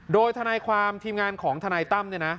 โดยธนายความทีมงานของธนายตั้ม